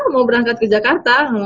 mau berangkat ke jakarta